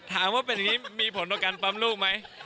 ถามว่าเป็นนี้มีผลวการปั้มลูกไหม